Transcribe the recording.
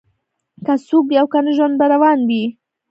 که څوک وي او کنه ژوند به روان وي